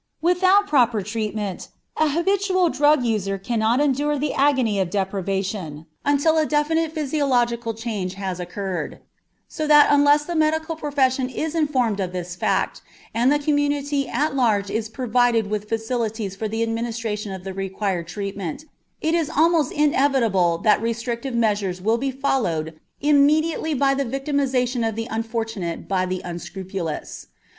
Without proper treatment, an habitual drug user cannot endure the agony of deprivation until a definite physiological change has occurred; so that unless the medical profession is informed of this fact, and the community at large is provided with facilities for the administration of the required treatment, it is almost inevitable that restrictive measures will be followed immediately by the victimization of the unfortunate by the unscrupulous.